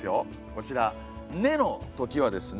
こちら「子のとき」はですね